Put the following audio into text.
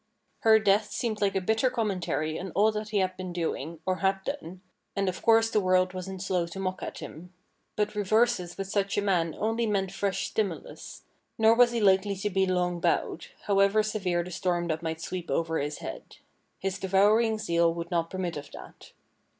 Her death seemed like a bitter commentary on all that he had been doing, or had done, and of course the world wasn't slow to mock at him. But reverses with such a man only meant fresh stimulus, nor was he likely to be long bowed, how ever severe the storm that might sweep over his head. His devouring zeal would not permit of that.